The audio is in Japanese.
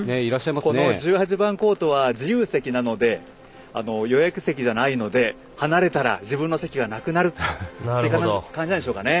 この１８番コートは自由席なので予約席じゃないので離れたら自分の席がなくなるという感じなんでしょうかね。